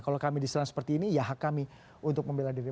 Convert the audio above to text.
kalau kami diserang seperti ini ya hak kami untuk membela diri